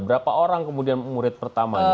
berapa orang kemudian murid pertamanya